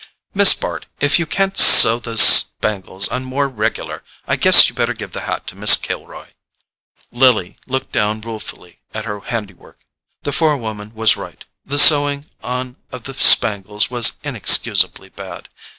"Miss Bart, if you can't sew those spangles on more regular I guess you'd better give the hat to Miss Kilroy." Lily looked down ruefully at her handiwork. The forewoman was right: the sewing on of the spangles was inexcusably bad.